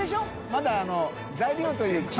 まだ材料というか。